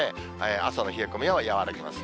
朝の冷え込みは和らぎます。